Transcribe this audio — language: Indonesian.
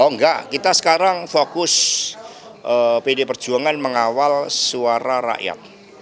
oh enggak kita sekarang fokus pdi perjuangan mengawal suara rakyat